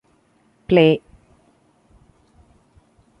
Play